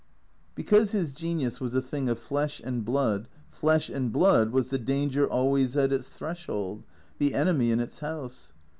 Because his genius was a thing of flesh and blood, flesh and blood was the danger always at its threshold, the enemy in its house.